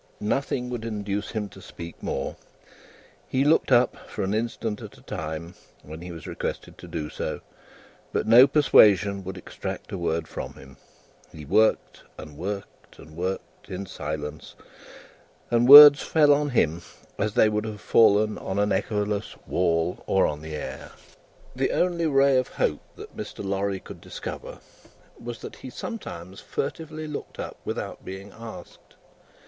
Nothing would induce him to speak more. He looked up, for an instant at a time, when he was requested to do so; but, no persuasion would extract a word from him. He worked, and worked, and worked, in silence, and words fell on him as they would have fallen on an echoless wall, or on the air. The only ray of hope that Mr. Lorry could discover, was, that he sometimes furtively looked up without being asked.